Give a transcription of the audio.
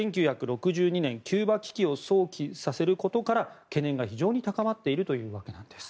１９６２年のキューバ危機を想起させることから懸念が非常に高まっているというわけなんです。